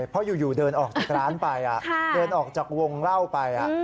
เพราะอยู่เดินออกจากร้านไปเดินออกจากวงเล่าไป